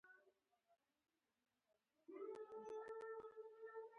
خلک اوس د فزیکي پیسو په ساتلو کې زړه نا زړه دي.